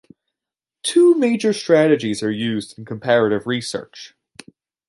Two major strategies are used in comparative research.